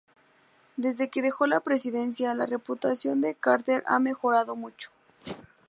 Desde que dejó la presidencia, la reputación de Carter ha mejorado mucho.